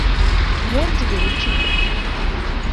— Мо тиде учитель...